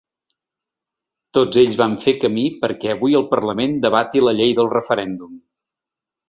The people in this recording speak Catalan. Tots ells van fer camí perquè avui el parlament debati la llei del referèndum.